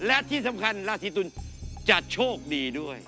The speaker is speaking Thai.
และที่สำคัญราศีตุลจะโชคดีด้วย